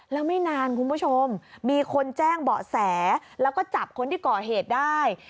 แล้วไม่นานคุณผู้ชมมีคนแจ้งเบาะแสแล้วก็จับคนที่ก่อเหตุได้